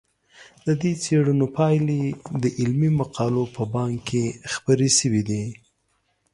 د دې څېړنو پایلې د علمي مقالو په بانک کې خپرې شوي دي.